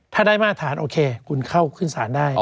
ถ้าได้มาตรฐานโอเคคุณเข้าขึ้นศาลได้